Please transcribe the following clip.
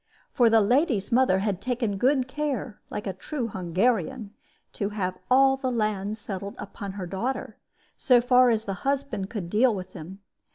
For the lady's mother had taken good care, like a true Hungarian, to have all the lands settled upon her daughter, so far as the husband could deal with them.